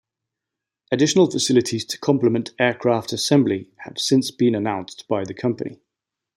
Additional facilities to complement aircraft assembly have since been announced by the company.